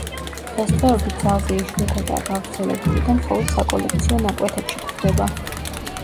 დღესდღეობით ძალზე იშვიათადაა გავრცელებული და მხოლოდ საკოლექციო ნაკვეთებში გვხვდება.